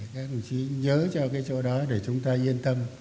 các đồng chí nhớ cho cái chỗ đó để chúng ta yên tâm